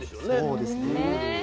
そうですね。